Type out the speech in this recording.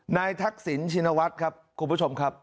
ทักษิณชินวัฒน์ครับคุณผู้ชมครับ